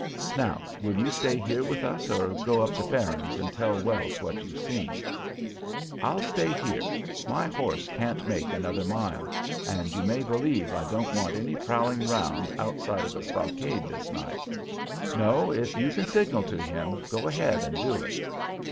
Now, will you stay here with us or go up to Farron's and tell Wells what you've seen?" "I'll stay here. My horse can't make another mile, and you may believe I don't want any prowling round outside of a stockade this night. No, if you can signal to him go ahead and do it."